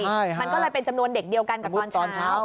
ใช่มันก็เลยเป็นจำนวนเด็กเดียวกันกับตอนตอนเช้า